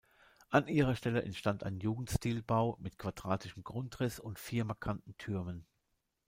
An ihrer Stelle entstand ein Jugendstilbau mit quadratischem Grundriss und vier markanten Türmen.